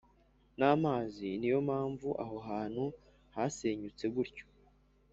n amazi Ni yo mpamvu aho hantu hasenyutse gutyo